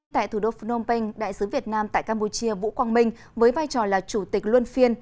tại thủ đô phnom penh đại sứ việt nam tại campuchia vũ quang minh với vai trò là chủ tịch luân phiên